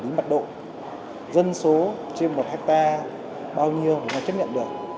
điểm mặt độ dân số trên một hectare bao nhiêu mà chứng nhận được